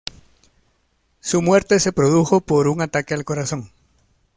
Su muerte se produjo por un ataque al corazón.